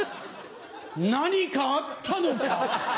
何かあったのか？